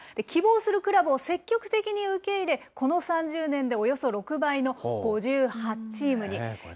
希望するクラブを積極的に受け入れ、この３０年でおよそ６倍の５８チームに。